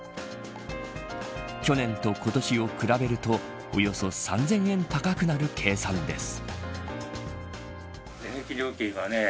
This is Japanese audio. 去年と今年を比べるとおよそ３０００円高くなる計算です。